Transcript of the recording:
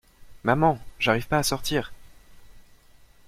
Maman j'arrive pas à sortir!